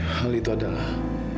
hal itu adalah